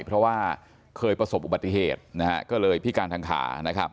เพราะว่าเคยประสบอุบัติเหตุก็เลยพิการทางขา